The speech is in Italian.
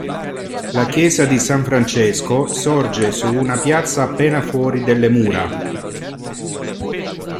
La chiesa di San Francesco sorge su una piazza appena fuori delle mura.